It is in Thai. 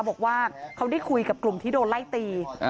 บอกว่าเขาได้คุยกับกลุ่มที่โดนไล่ตี